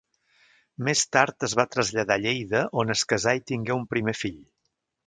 Més tard es va traslladar a Lleida on es casà i tingué un primer fill.